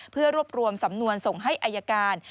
เพื่อรวบรวมสำนวนส่งให้อายการ